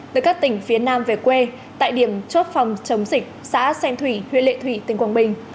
từ các tỉnh phía nam về quê tại điểm chốt phòng chống dịch xã xen thủy huyện lệ thủy tỉnh quảng bình